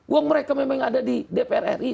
uang mereka memang ada di dpr ri